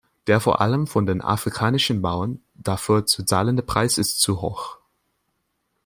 Der vor allem von den afrikanischen Bauern dafür zu zahlende Preis ist zu hoch.